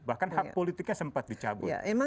bahkan hak politiknya sempat dicabut